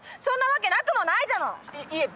そんなわけ無くもないじゃない！